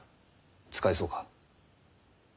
使えそうか？